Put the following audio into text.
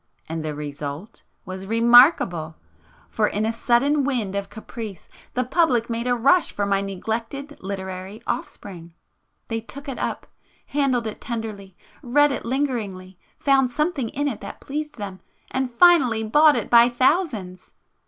And the result was remarkable,—for in a sudden wind of caprice, the public made a rush for my neglected literary offspring,—they [p 483] took it up, handled it tenderly, read it lingeringly, found something in it that pleased them, and finally bought it by thousands!